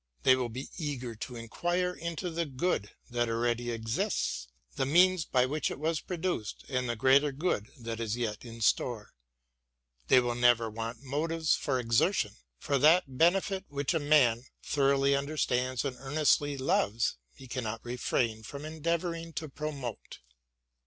They will be eager to enquire into the good that already exists, the means by which it was produced and the greater good that is yet in store. They will never want motives for exertion ; for that benefit which a man thoroughly understands and earnestly loves, he cannot refrain from endeavouring to promote.